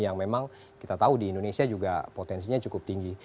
yang memang kita tahu di indonesia juga potensinya cukup tinggi